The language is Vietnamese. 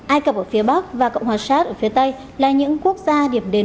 ai cập ở phía bắc và cộng hòa sát ở phía tây là những quốc gia điểm đến